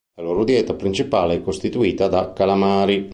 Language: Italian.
La loro dieta principale è costituita da calamari.